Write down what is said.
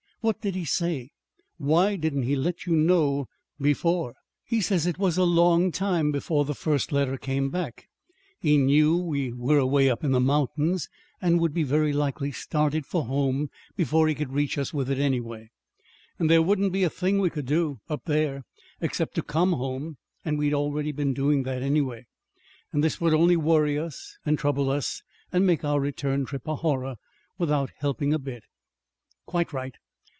What did he say? Why didn't he let you know before?" "He says it was a long time before the first letter came back. He knew we were away up in the mountains, and would be very likely started for home before he could reach us with it, anyway. And there wouldn't be a thing we could do up there, except to come home; and we'd already be doing that, anyway. And this would only worry us, and trouble us, and make our return trip a horror without helping a bit." "Quite right.